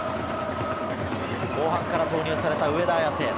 後半から投入された上田綺世。